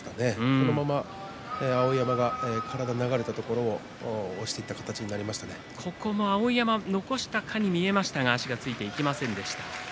そのまま碧山が体が流れたところを碧山は残したように見えましたが足がついていけませんでした。